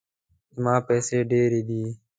زما پیسې ډیرې دي